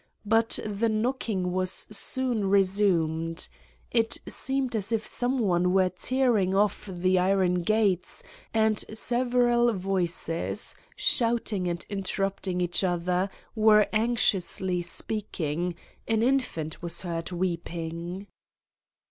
But the knocking was soon resumed. It seemed as if some one were tearing off the iron gates and several voices, shouting and interrupt , ing each other, were anxiously speaking; an in fant was heard weeping.